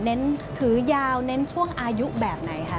ถือยาวเน้นช่วงอายุแบบไหนคะ